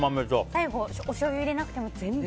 最後、おしょうゆ入れなくても。